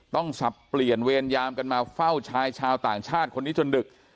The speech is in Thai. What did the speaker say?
สับเปลี่ยนเวรยามกันมาเฝ้าชายชาวต่างชาติคนนี้จนดึก